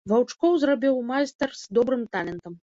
Ваўчкоў зрабіў майстар з добрым талентам.